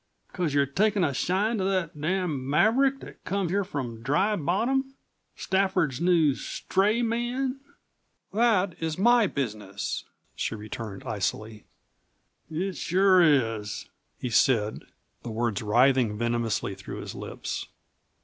Because you've taken a shine to that damned maverick that come here from Dry Bottom Stafford's new stray man!" "That is my business," she returned icily. "It sure is," he said, the words writhing venomously through his lips.